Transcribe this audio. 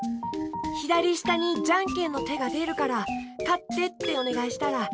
ひだりしたにじゃんけんのてがでるからかってっておねがいしたらかつてを。